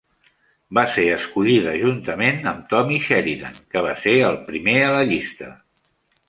Va ser escollida juntament amb Tommy Sheridan, que va ser el primer a la llista.